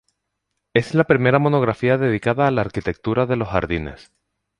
Es la primera monografía dedicada a la arquitectura de los jardines.